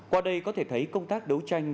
qua đây có thể thấy công tác đấu tranh